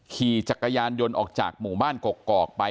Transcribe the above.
ขี่จักรยานยนต์ออกจากหมู่บ้านกกอกไป